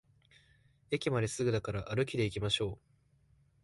駅まですぐだから歩きでいきましょう